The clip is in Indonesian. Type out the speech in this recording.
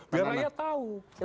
biar rakyat tahu